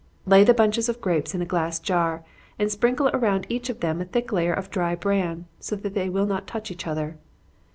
Lay the bunches of grapes in a glass jar, and sprinkle around each of them a thick layer of dry bran, so that they will not touch each other.